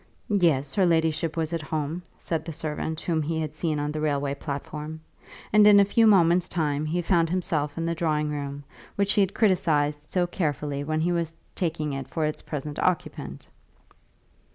"Yes; her ladyship was at home," said the servant whom he had seen on the railway platform; and in a few moments' time he found himself in the drawing room which he had criticized so carefully when he was taking it for its present occupant.